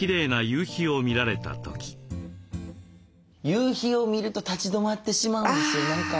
夕日を見ると立ち止まってしまうんですよ何か。